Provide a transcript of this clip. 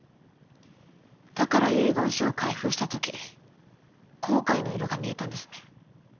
だから遺言書を開封したとき「後悔」の色が見えたんですね。